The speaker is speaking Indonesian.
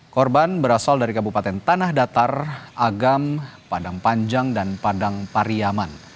korban berasal dari kabupaten tanah datar agam padang panjang dan padang pariyaman